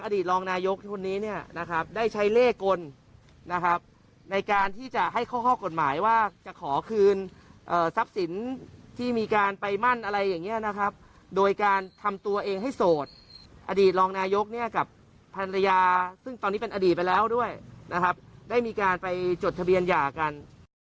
ได้มีการไปจดทะเบียนหย่ากัน